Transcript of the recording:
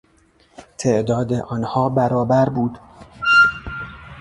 تعداد آنها برابر بود.